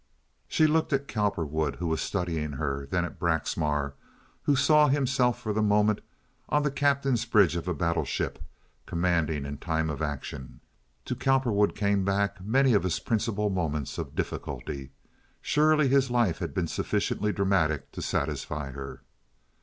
She looked at Cowperwood, who was studying her; then at Braxmar, who saw himself for the moment on the captain's bridge of a battle ship commanding in time of action. To Cowperwood came back many of his principal moments of difficulty. Surely his life had been sufficiently dramatic to satisfy her.